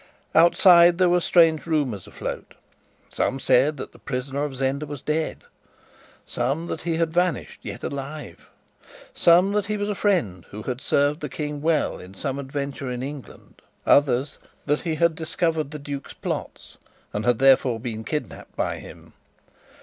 Outside there were strange rumours afloat. Some said that the prisoner of Zenda was dead; some, that he had vanished yet alive; some, that he was a friend who had served the King well in some adventure in England; others, that he had discovered the Duke's plots, and had therefore been kidnapped by him.